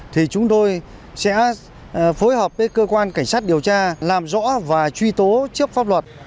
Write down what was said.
thì chúng tôi sẽ phối hợp với cơ quan cảnh sát điều tra làm rõ và truy tố trước pháp luật